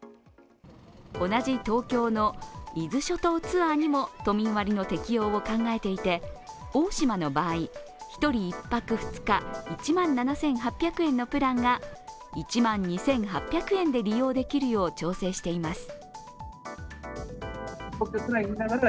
同じ東京の伊豆諸島ツアーにも都民割の適用を考えていて、大島の場合、１人１泊２日１万７８００円のプランが、１万２８００円で利用できるよう調整しています。